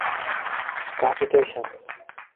বিধবা তৃণশয্যায় শুইয়া থরথর করিয়া কাঁপিতেছেন।